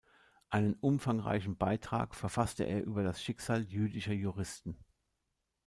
Einen umfangreichen Beitrag verfasste er über das Schicksal jüdischer Juristen.